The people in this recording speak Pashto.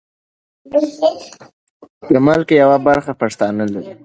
د ملک یوه برخه پښتانه لري.